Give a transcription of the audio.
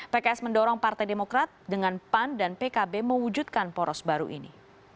pks mendorong partai demokrat dengan pan dan pkb mewujudkan poros baru ini